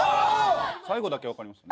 最後だけ分かりました。